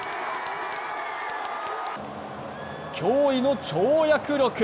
驚異の跳躍力。